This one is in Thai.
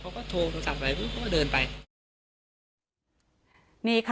เขาก็โทรโทรศัพท์ไปเดินไป